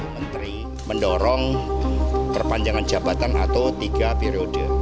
menteri mendorong perpanjangan jabatan atau tiga periode